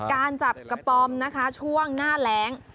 การจับกระป๋อมช่วงหน้าแหลง